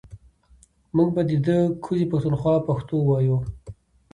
مونږ به ده ده کوزې پښتونخوا پښتو وايو